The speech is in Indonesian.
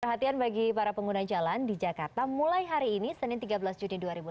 perhatian bagi para pengguna jalan di jakarta mulai hari ini senin tiga belas juni dua ribu enam belas